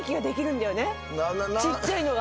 ちっちゃいのが。